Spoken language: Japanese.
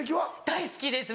大好きです